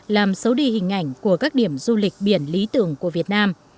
làm xấu đi hình ảnh của các điểm du lịch biển lý tưởng của việt nam